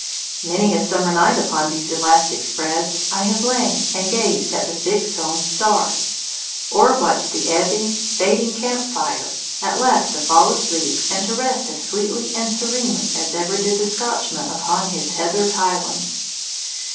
Many a summer night upon these elastic spreads I have lain and gazed at the thick sown stars, or watched the ebbing, fading camp fire, at last to fall asleep and to rest as sweetly and serenely as ever did the Scotchman upon his heathered Highlands.